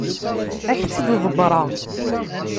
Ad ak-tt-id-ḍebbreɣ.